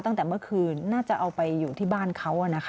ตั้งแต่เมื่อคืนน่าจะเอาไปอยู่ที่บ้านเขา